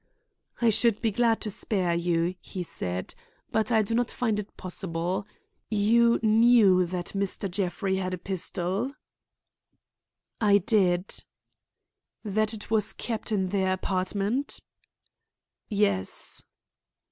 "I should be glad to spare you," said he, "but I do not find it possible. You knew that Mr. Jeffrey had a pistol?" "I did." "That it was kept in their apartment?" "Yes."